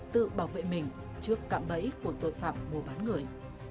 tự bảo vệ mình trước cạm bẫy của tội phạm mua bán người